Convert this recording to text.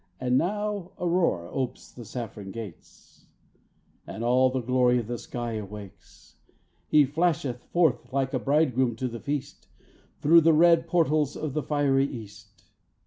And now Aurora opes the saffron gates, And all the glory of the sky awakes "He flasheth forth like bridegroom to the feast, Through the red portals of the fiery east."